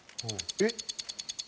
えっ？